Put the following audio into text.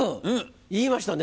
言いましたね。